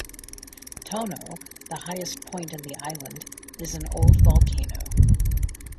Tono, the highest point in the island, is an old volcano.